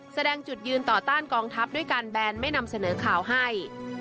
แสดงจุดยืนต่อต้านกองทัพด้วยการแบนไม่นำเสนอข่าวให้